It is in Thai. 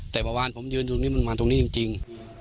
แต่ประวัติผมยืนตรงนี้มันมาตรงนี้จริง